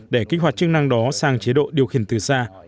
để kích hoạt chức năng đó sang chế độ điều khiển từ xa